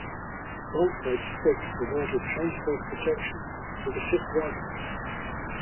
Bulkheads thick provided transverse protection for the ship's vitals.